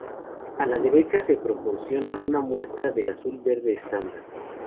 A la derecha se proporciona una muestra del azul verde estándar.